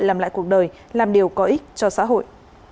làm lại cuộc đời làm điều có ích cho xã hội